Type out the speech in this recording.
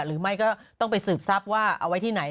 หรือไม่ก็ต้องไปสืบทรัพย์ว่าเอาไว้ที่ไหน